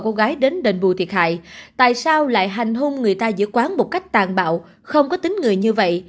còn cô gái đến đền bù thiệt hại tại sao lại hành hôn người ta giữa quán một cách tàn bạo không có tính người như vậy